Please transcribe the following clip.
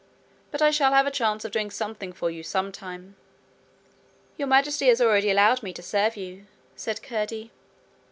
But I shall have a chance of doing something for you some time.' 'Your Majesty has already allowed me to serve you,' said Curdie.